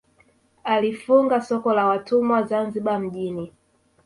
Alifunga soko la watumwa Zanzibar mjini